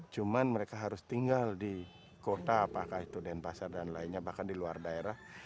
cuma mereka harus tinggal di kota apakah itu denpasar dan lainnya bahkan di luar daerah